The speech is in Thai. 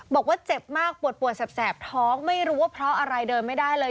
บอกว่าเจ็บมากปวดปวดแสบท้องไม่รู้ว่าเพราะอะไรเดินไม่ได้เลย